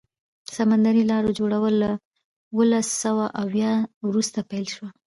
د سمندري لارو جوړول له اوولس سوه اویا وروسته پیل شو.